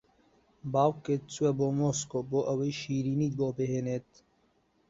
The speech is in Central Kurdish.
باوکت چووە بۆ مۆسکۆ بۆ ئەوەی شیرینیت بۆ بھێنێت